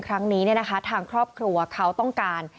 ครั้งนี้ทางครอบครัวเขาต้องการ